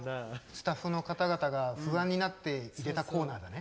スタッフの方々が不安になって入れたコーナーだね。